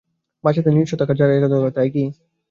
বাচ্চাদের নিজস্ব থাকার জায়গা দরকার, তাই কি?